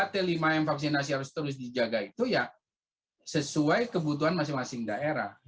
tiga t lima m vaksinasi harus terus dijaga itu ya sesuai kebutuhan masing masing daerah